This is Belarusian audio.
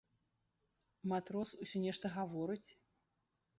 Матрос усё нешта гаворыць.